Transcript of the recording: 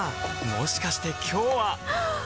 もしかして今日ははっ！